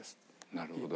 なるほど。